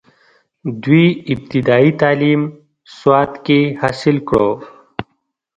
دوي ابتدائي تعليم سوات کښې حاصل کړو،